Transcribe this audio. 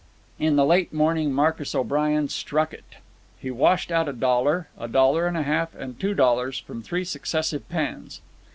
In the late morning Marcus O'Brien struck it. He washed out a dollar, a dollar and a half, and two dollars, from three successive pans.